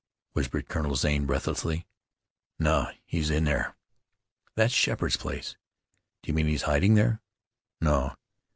whispered Colonel Zane breathlessly. "No; he's in there." "That's Sheppard's place. Do you mean he's hiding there?" "No!"